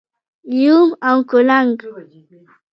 🪏 یوم او کولنګ⛏️